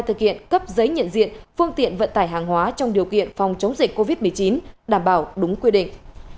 thực hiện cấp giấy nhận diện phương tiện vận tải hàng hóa trong điều kiện phòng chống dịch covid một mươi chín đảm bảo đúng quy định